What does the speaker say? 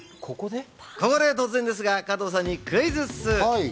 ここで突然ですが加藤さんにクイズッス！